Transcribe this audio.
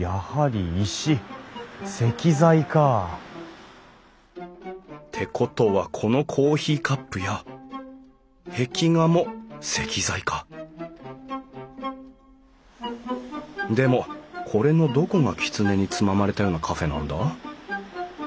石材か。ってことはこのコーヒーカップや壁画も石材かでもこれのどこがきつねにつままれたようなカフェなんだ？